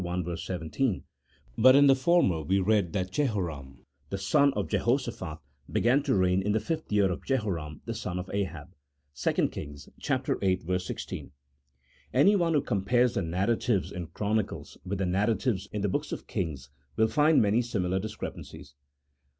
17), but in the former we read that Jehoram, the son of Jehoshaphat, began to reign in the fifth year of Jehoram, the son of Ahab (2 Kings viii. 16). Anyone who compares the narratives in Chronicles with the narratives in the books of Kings, will find many similar discrepancies.